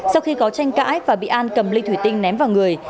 sau khi có tranh cãi và bị an cầm ly thủy tinh ném vào người